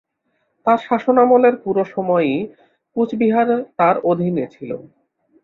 তাঁর শাসনামলের পুরো সময়ই কুচবিহার তাঁর অধীনে ছিল।